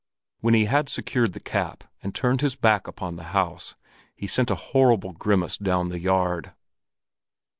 When he had secured the cap, and turned his back upon the House, he sent a horrible grimace down the yard.